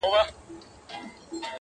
هغه د بل د كور ډېوه جوړه ده؛